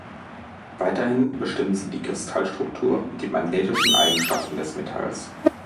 Weiterhin bestimmten sie die Kristallstruktur und die magnetischen Eigenschaften des Metalls.